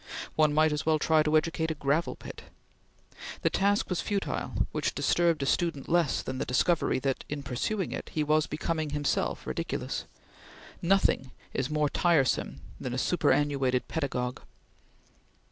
One might as well try to educate a gravel pit. The task was futile, which disturbed a student less than the discovery that, in pursuing it, he was becoming himself ridiculous. Nothing is more tiresome than a superannuated pedagogue.